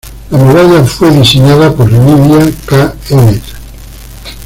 La medalla fue diseñada por Lydia K. Emmet.